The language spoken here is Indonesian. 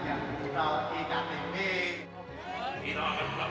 ini itu tempat pantas